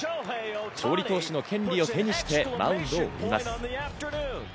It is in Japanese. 勝利投手の権利を手にしてマウンドを降ります。